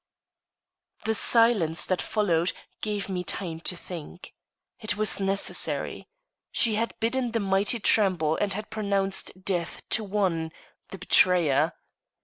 The silence that followed, gave me time to think. It was necessary. She had bidden the mighty tremble and had pronounced death to one the betrayer.